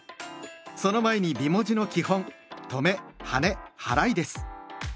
その前に美文字の基本「とめ・はねはらい」です。